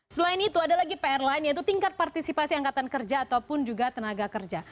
selain itu ada lagi pr lain yaitu tingkat partisipasi angkatan kerja ataupun juga tenaga kerja